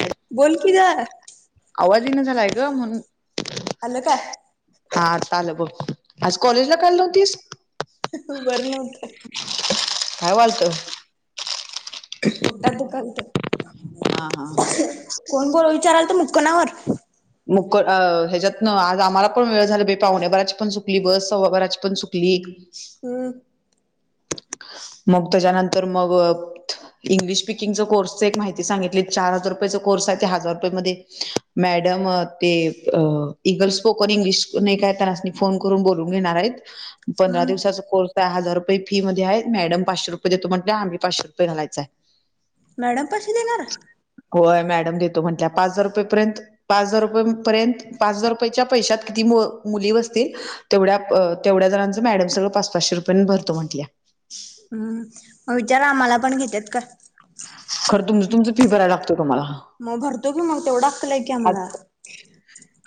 Hello. बोल की. आवाज येईना झालाय ग म्हणून. आला काय. हा आत्ता आलं बघ. आज कॉलेजला का आली नव्हतीस? बर नव्हतं काय व्हालतं? पोटात दुखालतं. हा हा हा. कोण बोल विचारालत [unintelligible] मुक अ ह्याच्यात न आज आम्हाला पण वेळ झाला बाई पावणेबाराची पण चुकली बस सव्वाबाराची पण चुकली. हम्म [inaudible] मग त्याच्यानंतर मग इंग्लिश स्पिकिंग च कोर्सच एक माहिती सांगितली. चार हजार रुपयचा कोर्स आहे. ते हजार रुपया मध्ये मॅडम मॅडम ते इगल स्पोकन इंग्लिश नाही काय त्यासनी फोन करून बोलून घेणार आहेत. पंधरा हम्म दिवसाचा कोर्स हजार रुपये फी मध्ये आहेत मॅडम पाचशे रुपय देतो म्हणत्या आम्ही पाचशे रुपय घालायच हाय मॅडम पाचशे देणार? होय मॅडम देतो म्हटल्या पाच हजार रुपये पर्यंत पाच हजार रुपये पर्यंत पाच हजार रुपयेच्या पैशात किती मुली बसतील? तेवढ्या तेवढ्या जणांचं मॅडम सगळं पाच पाचशे रुपयान भरतो म्हंटल्या. हम. म विचार आम्हाला पण घेतात का. खरं तुम तुमचं फी भराय लागतय तुम्हाला म भरतो की मग तेवढं अक्कल आहे की आम्हाला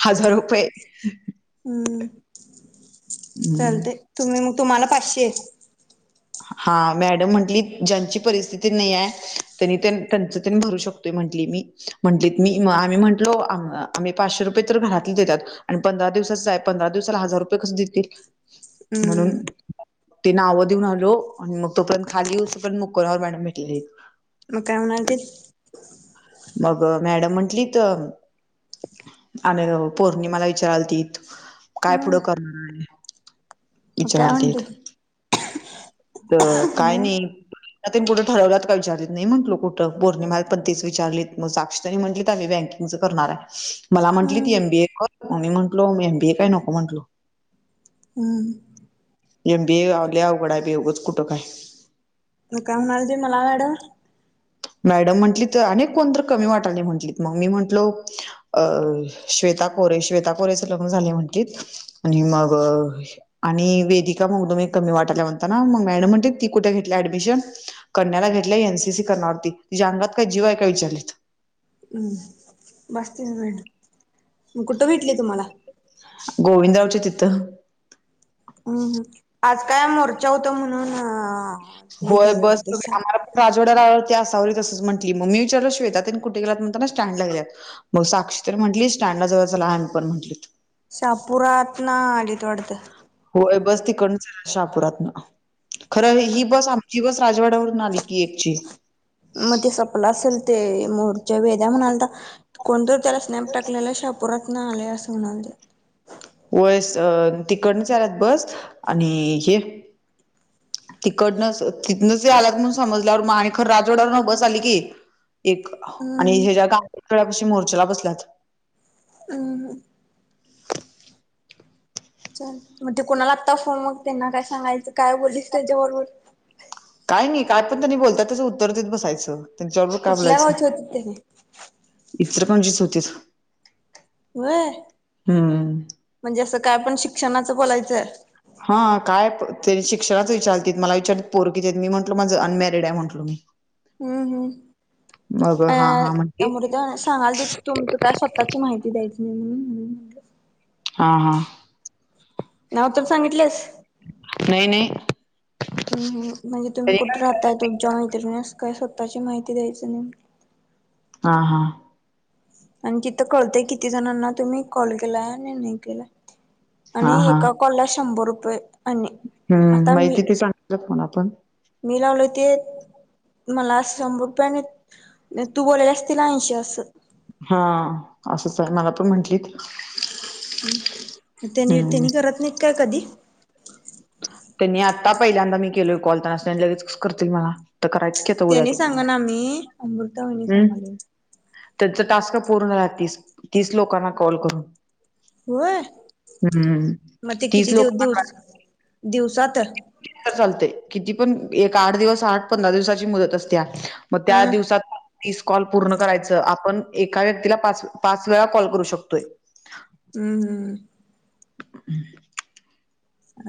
हजार रुपये हम हम्म. चालतय तुम्ही म तुम्हाला पाचशे. हा मॅडम म्हंटली ज्यांची परिस्थिती नाही आहे त्यांनी त्यांच त्यन भरू शकतोय म्हंटली मी. म्हंटलीत मी आम्ही म्हटलो. आम्ही पाचशे रुपये तर घरातली देत्यात. आणि पंधरा दिवसाच आहे पंधरा दिवसाला हजार रुपये कसं देतील. म्हणून हम्म ते नाव देऊन आलो मग तोपर्यत खाली येवूस पर्यंत मुक्कुराव मॅडम भेटलेली मग काय म्हणालतीत मग मॅडम म्हंटलीत आणि पौर्णिमाला विचाराला विचारालतीत. काय हम्म पुढं करणार आहे. मग काय म्हणते विचारालतीत ते त काय नाही. लग्न तेन कुठं ठरवल्यात काय विचारीत नाही म्हटलो कुठं पोर्णिमाला पण तेच विचारली म साक्षी तेनी म्हटलीत आम्ही बँकिंगच करणार आहे मला म्हंटलीत हम्म एम बीए कर मी म्हटलो मी एम बीए काय नको म्हटलो. हम एम बीए लय अवघड आहे बाई उगाच कुठं काय न काय म्हणालतीत मला मॅडम मॅडम म्हटलीत अनेक कोण तर कमी वाटालय म्हंटलीत मग मी म्हटलो अ श्वेता कोरे श्वेता कोरेचं लग्न झालेय म्हणलीत आणि मग आणि वेदिका मगदूम एक कमी वाटाल्या म्हणताना मग मॅडम म्हणलीत ती कुठे घेतल्या ऍडमिशन कण्याला घेतल्या एन सी सी करनार होती तिच्या अंगात काय जीव आहे काय विचारलीत हम बास तिकडं मॅडम म कुठं भेटली तुम्हाला गोविंदराव च्या तिथं हम हम आज काय मोर्चा होता म्हणून हे होय घाल बस तुम्ही वाटत आम्हाला राजवड्या रावरती आसावरी तसंच म्हटली म मी विचारलो श्वेेता त्येन कुठ गेल्यात म्हणताना स्टँडला गेल्यात. मग साक्षी त्येन म्हटली स्टँडला जाऊया चला आम्ही पण म्हटली. शहापुरातन आलीत वाटत. होय बस तिकडनच येणार शाहापुरातन खरं ही बस आमची आमची बस राजवाड्या वरून आली की एकची म ते सपलं असल ते मोर्च्या वेदया म्हणालता कोणतरी त्याला स्नॅप टाकलेलं शापोरात [unintelligible] न आले असं म्हणाले. वय [unintelligible] तिकडन चालत बस आणि हे तिकडनं तिथनंच आलात म्हणून समजल्यावर म आणि खर राजवाडावरन बस आली की. एक आणि हम्म ह्याच्या् या गाकड्यापाशी मोर्चाला बसल्यात. हम् च मग ते कोणाला लागता फोन मग त्यांना काय सांगायचं काय बोलीच त्याच्याबरोबर काय नाही काय पण त्यांनी बोलतात त्याचं उत्तर देत बसायचं त्यांच्याबरोबर काय कुठल्या बोलायचं. गावचे होते त्याने इतर कोणजीच होती. होय हम्म म्हणजे असं काय पण शिक्षणाचं बोलायचंय. हा काय ते शिक्षणाच विचारतील मला विचारत पोर कीती मी म्हटल माझं अनमॅरिड आहे म्हटलो मी. हम्म हम् मग हा अ हा म्हणते त्यामुळे सांगाल ते तुमच काय स्व त्याची माहिती द्यायची नाही म्हणून म्ह हा हा. नाव तर सांगितलेस? नाही नाही. हम म्हणजे तुम्ही कुठे काय राहताय विचारलंच नाही तुमच्या मैत्रिणीस काय स्वतःची माहिती द्यायचं नाई. हा हा. आणि तिथं कळतंय किती जणांना तुम्ही कॉल केलाय आणि नाही केलाय. हा आणि हा एका कॉल ला शंभर रुपये आणि आता मी. ज मला पण. मी लावले ते मला शंभर रुपये आणि तू बोलायल्यास तिला ऐंशी असं. हा असंच आहे मला पण म्हंटली ती. हम त्यानी त्यांनी करत नाहीत काय कधी? त्यांनी आता पहिल्यांदा मी केलोय कॉल त्यांनासनी लगेच कस करतील मला? तर करायचं की उद्या त्यांनी पंधरा सांगा ना आम्ही अमृता वहिनी हम्. सांगाली. त्यांच टास्क पूर्ण झाल्यात तीस तीस लोकांना कॉल करून. होय हम्म मग ते तीस किती दिव दिवस दिवसात? चालतेय किती पण एक आठ दिवस आठ पंधरा दिवसाची मुदत असत्या. मग त्या हम्म दिवसात. तीस कॉल पूर्ण करायचं आपण एका व्यक्तीला पाच पाच वेळा कॉल करू शकतोय. हम्म हम्म. हम्. अ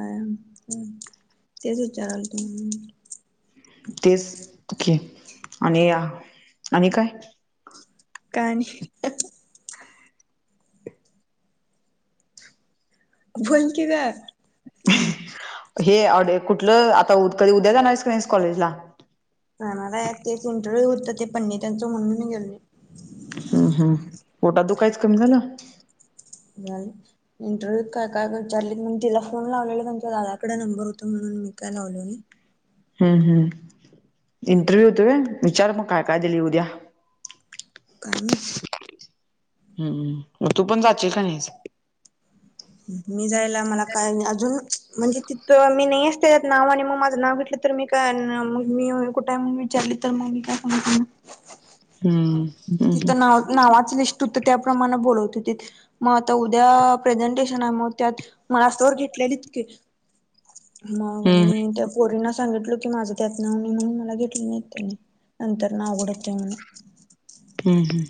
तेच विचारलतो मी. तेची घे आणि आणि काय? काय नाही. बोल की ग. हे ऑडीव कुठलं आता कधी उद्या जाणार आहेस की नाहीस कॉलेजला? जाणार आहे तेच इंटरव्ह्यू होतं ते पन्नीत् [unintelligible] त्यांचं म्हणून गेलो नाही. हम्म हम् पोटात दुखायचं कमी झालं? झाल. इंटरव्ह्यूत काय काय ग विचारलीत म्हणून तिला फोन लावलेला त्यांच्या दादाकडे नंबर होत म्हणून मी काय लावल नाही. हम् हम् इंटरव्ह्यू होत होय विचार मग काय काय दिली उद्या. काय माहित? हम्म् तू पण जाशील का नाहीस? मी जायला मला काय नाही अजून म्हणजे तिथ मी नाही च त्याच्यात नाव आणि मग माझं नाव घेतलं तर मी काय आलो नाही मग मी कुठाय म्हणून विचारले तर मग मी काय सांगायचं हम्म हम्म हम्म तिथं नाव नावाची लिस्ट होतं त्याप्रमाणे बोलवत होती मग आता उद्या प्रेझेंटेशन आहे मग त्यात मलास्तवर घेतलेलीत की मग हम्म मी उद्या पोरींना सांगितल की माझं त्यात नाव नाही म्हणून मला घेतलं नाही त्यांनी नंतर न अवघड होतंय म्हण हम हम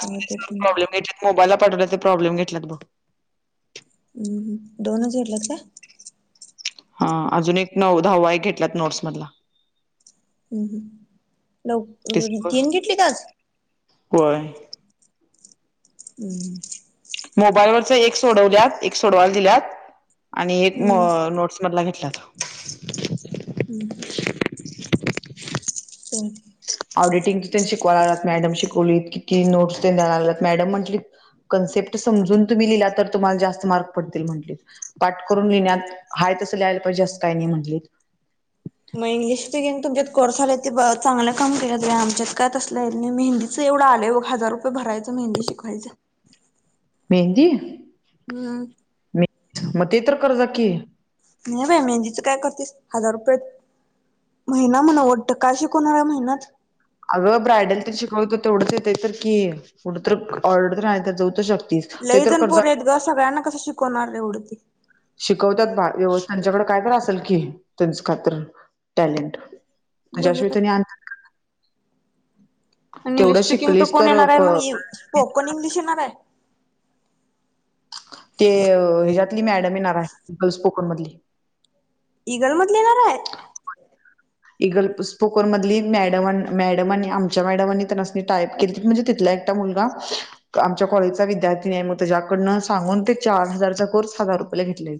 काय होतंय पण. प्रॉब्लेम घेतलेत मोबाईलला पाठवल ते प्रॉब्लेम घेतल्यात बघ हम् दोनच घेतलेत का? हा अजून एक नऊ दहावा एक घेतल्यात नोट्स मधला हम् हम लव ते सगळं तीन घेतली आज होय हम् मोबाईल वरच एक सोडवल्यात एक सोडवायला दिल्यात आणि एक म हम्म नोट्स मधल घेतल्यात हम् हो ऑडिटिंग ची त्यांची कोणालाच मॅडम शिकवलीत कि नोट्स तेन दयला लागल्यात मॅडम म्हटली कन्सेप्ट समजून तुम्ही लिहिला तर तुम्हाला जास्त मार्क पडतील म्हटली पाठ करून लिण्यात हाय तसं लियला पाहिजे असं काय नाही म्हणले मग इंग्लिश घेन तुमच्यात कोर्स झाला ते चांगलं काम केलं ग आमच्यात काय तसलं काय येत नाही आमच्यात मेहंदी एवढं आले बघ हज रुये भरायचं मेंदी शिकायचं मेहंदी हम्म म मग ते तर कर जा की नाही बाय मेहंदीच काय करतेस हजार रुपये महिना म्हणवटत काय शिका महिनाच अगं ब्रायडल तरी शिकव तर तेवढंच येतं तर की कुठं तर ऑर्डर आहे तर जाऊ तर शकतीस ते लय तर जण कर्जा पोरी आहेते ग सगळ्यांना कसं शिकवणार एवढ ती शिकवतात बार व्यव त्यांच्याकडे काय असेल की त्यांच खात्र टॅलेंट बघ त्याच्याशिवाय त्यांनी आणतात काय इंग्लिश स्पीकिंग तर कोण येणार आहे मग स्पोकन इंग्लिश येणार आहे ते ह्याच्यातली मॅडम येणार आहे गर्ल्स पोकन मधली ईगल मधला येणारे इगल स्पोकोनमधली मॅडम मॅडमनी आमच्या मॅडमांनी त्यांनानी टाईप केली त म्हणजे तिथल्या एक मोठा मुलगा आमच्या कॉलेजचा विद्यार्थीनी मग त्याच्याकडनं सांगून ते चार हजारचा कोर्स हजार रुपयेला घेतले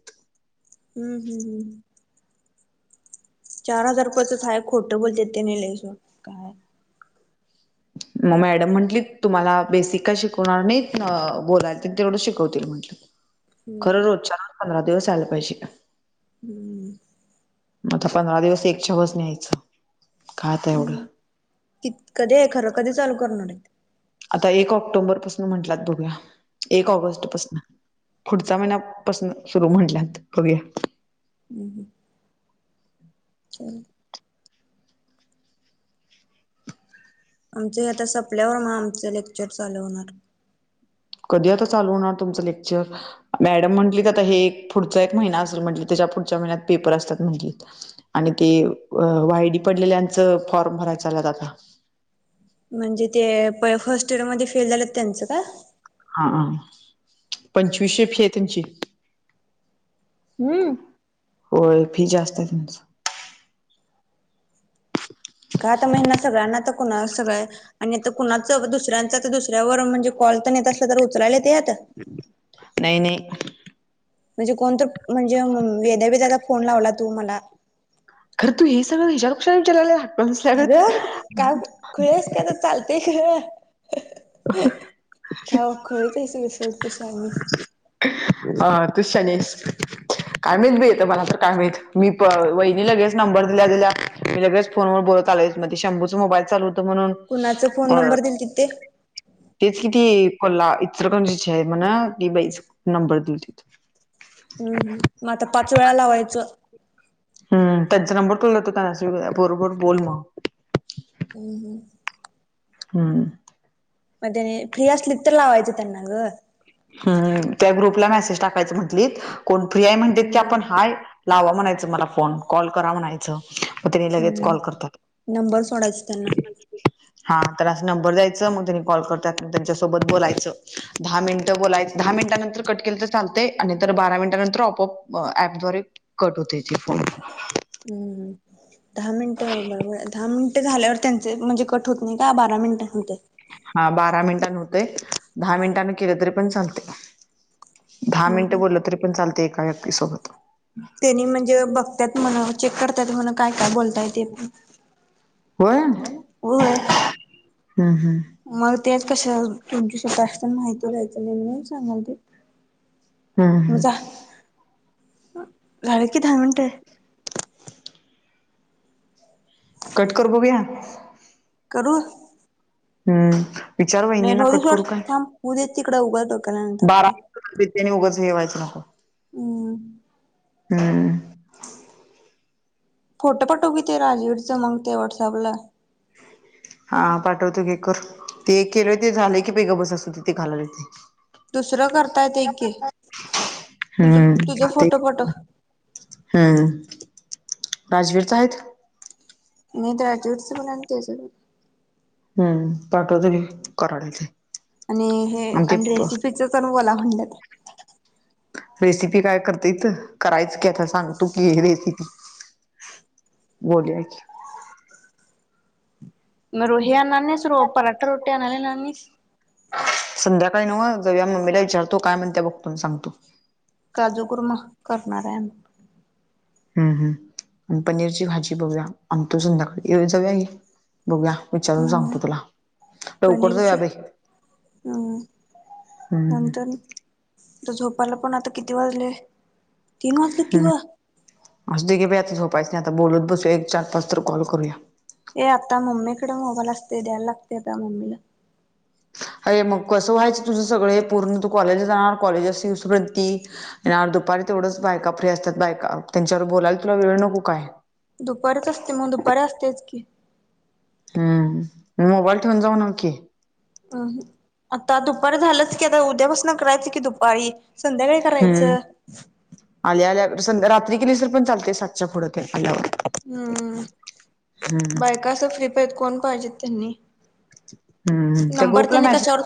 हम्म हम् हम्- चार हजार रुपयाचंचय आहे खोटं बोलतात त्यांनी लाई मग मॅडम म्हटली तुम्हाला बेसिक का शिकवणार नाहीत बोलाय तेवढं शिकवतील म्हंटलं हम्म खरं रोजच्या रोज पंधरा दिवस आला पाहिजे हम्म आता पंधरा दिवस एकच्या बस न यायचं कायते एवढं ति कधी आहे खर कधी चालू करणार आहे आता एक ऑक्टोबर पासून म्हंटलात तुला बघूया एक ऑगस्ट पासून पुढचा महिना पासनं‌ सुरु म्हणल्यात बघूया. हम्म हम्म. चाल आमचं हे आता सपल्यावर मग आमचं लेक्चर चालू होणार. कधी आता चालू होणार तुमचं लेक्चर? मॅडम म्हटलीत आता हे एक पुढचा एक महिना असल म्हणली, त्याच्या पुढच्या महिन्यात पेपर असतात म्हणली. आणि ते अ वाय डी पडलेल्यांचं फॉर्म भराय चालूयत आता. म्हणजे ते प फर्स्ट इयर मध्ये फेल झालेत त्यांचं का? हा, पंचवीशशे फी आहे त्यांची. हम्म. होय फी जास्त हाय त्यांचं. का आता महिना सगळ्यांना तर कोणालाच सगळे आणि आता कुणाचं दुसऱ्यांचा तर दुसऱ्यावर म्हणजे कॉल तेन येत असला तर उचलायला येतेत. नाही नाही. म्हणजे कोणतर म्हणजे वेद्या बिद्या ला फोन लावला तू म्हणा खरं तू हे सगळं विज्याला कशाला विचाराय लागल्या? अगं, का खुळी हायस का चाल तय गं, था खुळीच हायस बघ सोड तु सानू. हा तूच शहाणी हायस. काय मायत बी आता मला तर काय मायत, मी प वहिनी लगेच नंबर दिल्या दिल्या मी लगेच फोनवर बोलत आलोय म तेच, शंभूच मोबाईल चालू होतं म्हणून कुणाचं फोन अ नंबर दिलतीत ते? तेच कि ती कोल्हा इचलकरंजीची हाय म्हणं, ती बाईचं नंबर दिलती. हम्म हम्म, मग आता पाच वेळा लावायचं. हम्म, त्यांचा नंबर तुला देतो [unintelligible] बरोबर बोल मग. हम्म हम्म. हम्म. पण त्यांनी फ्री असली तर लावायचं त्यांना गं. हम्म हम्म, त्या ग्रुपला मेसेज टाकायचं म्हंटलीत, कोण फ्री आहे म्हणले की हम्म आपण हाय लावा म्हणायचं मला फोन, कॉल करा म्हणायचं. म त्यानी लगेच हम्म कॉल करत्यात. नंबर सोडायच त्यांना हा, त्याला असं नंबर द्यायचं मग त्यांनी कॉल करत्यात मग त्यांच्यासोबत बोलायचं, दहा मिन ट बोलायचं, दहा मिनिटानंतर कट केलं तर चालतंय, आणि नंतर बारा मिनटांनंतर आपोआप अ ऍपद्वारे कट होतंय ती फोन. हम्म हम्म. दहा मिनटं बरोबर दहा मिनिटं झाल्यावर त्यांचे म्हणजे कट होत नाही का? बारा मिनिटानि होतंय. हा बारा मिनिटानं होतंय, दहा मिनिटानं केलं तरी पण चालतंय. दहा मिनिटं हम्म बोललं तरी पण चालतंय एका व्यक्तीसोबत. त्यानी म्हणजे बघत्यात म्हणं, चेक करतात म्हण काय काय बोलताय ते पण, होय? होय. हम्म हम्म. मग तेच कशा तुमची स्वतः ची जास्त माहिती द्यायचं नाही म्हणून सांगाल ते. हम्म म हम्म जा, झालेत कि दहा मिनटं. [inaudible] कट कर बघूया. करू. हम्म, विचारु नाही वहिनींना राहूदे कट सोड करू काय थांब होऊ दे तिकड उगचंच बारा आणि तिने उगच हे व्हायचं नको ऊ हा फोटो पाटव की ते राजवीरचं मग ते व्हॉट्सअपला हा पाठवतो की करु. ते केलंय ते झालेय की गप बस असूदे ति कालवेल. दुसरं करता येतय की तुझ तुझ फोटो पाठव हा राजवीरच आहेत. नाही राजवीर पण हाय आन हम्म पाठवतो की करालोय. आणि हे आणि रेसिपीच तर बोला म्हणलं. रेसिपी काय करतेे हिथ करायच की आता सांगतो की हे रेसिपी बोलूया की [unintelligible] संध्याकाळी निवांत जाऊया मम्मीला विचारतो काय म्हणत्या बघतो अन् सांगतो. काजू कुरमा करणार हाय आम्ही हम्म हम्म आणि पनीरची भाजी बघूया संध्याकाळी जाऊया बघूया विचारून आम्ही सांगतो तुला लवकर पनीरच जाऊया बाई हम्म हम्म नंतर तर झोपायला पण आता किती वाजलेय तीन वाजले की ग असते की बाई झोपायच नाही आता बोलत बसूया एक चार पाच तर कॉल करूया. ये आता मम्मीकडे मोबाईल असते द्यायला लागते आता मम्मीला अरे मग कसं व्हायचं तुझं सगळ पूर्ण तू कॉलेजला जाणार कॉलेज असेपर्यत आणि आज दुपारी तेवढच बायका फ्री असतात बायका त्यांच्या बरोबर बोलायला तुला वेळ नको काय दुपारच असते मग दुपारी असत्याच की हम्म म मोबाईल ठेवून जाऊ ना की हा आता दुपार झालंच की आता उद्यापासन करायचं कि दुपारी संध्याकाळी हम्म करायचं. आल्या आल्या सं रात्री केलीस तर पण चालते सातच्या पुढ आल्यावर हम्म हम्म बायका असं फ्री पाहिजेत कोण पाहिजेत त्यांनी हम्म त्या नंबर ग्रुपला त्यांनी मेसेज कशावर